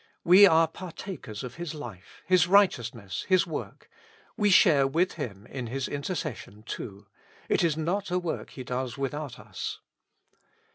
We are partakers of His life, His righteousness, His work: we share with Him in His intercession too ; it is not a work He does without us.